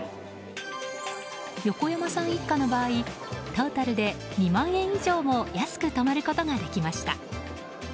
横山さん一家の場合、トータルで２万円以上も安く泊まることができました。